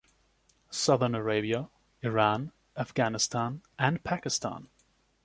Southern Arabia, Iran, Afghanistan and Pakistan.